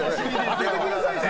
当ててくださいね。